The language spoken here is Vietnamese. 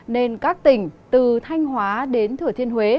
nên các tỉnh từ thanh hóa đến thừa thiên huế